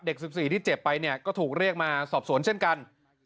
๑๔ที่เจ็บไปเนี่ยก็ถูกเรียกมาสอบสวนเช่นกัน